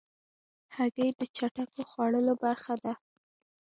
هګۍ د چټکو خوړو برخه ده.